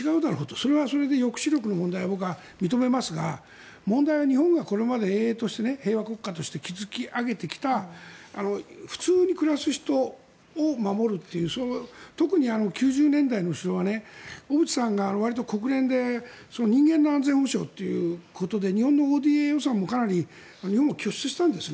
それはそれで抑止力の問題、僕は認めますが問題は日本がこれまで営々として平和国家として築き上げてきた普通に暮らす人を守るという特に９０年代の首脳は小渕さんが国連で人間の安全保障ということで日本のＯＤＡ予算もかなり日本も拠出したんです。